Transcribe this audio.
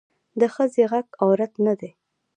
د ښخي غږ عورت نه دی